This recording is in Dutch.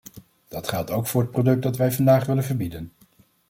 Dat geldt ook voor het product dat wij vandaag willen verbieden.